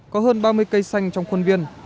có hơn ba mươi cây xanh trong khuôn viên